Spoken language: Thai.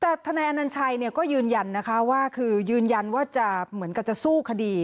แต่ทนายอนัญชัยก็ยืนยันนะคะว่าคือยืนยันว่าจะเหมือนกับจะสู้คดี